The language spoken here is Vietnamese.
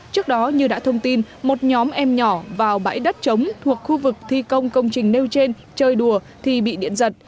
trước đó như đã thông tin một nhóm em nhỏ vào bãi đất trống thuộc khu vực thi công công trình nêu trên chơi đùa thì bị điện giật